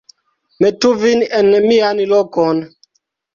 metu vin en mian lokon.